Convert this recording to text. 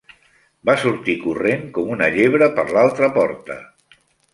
Va sortir corrent com una llebre per l'altra porta.